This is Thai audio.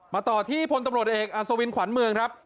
ต่อที่พลตำรวจเอกอัศวินขวัญเมืองครับ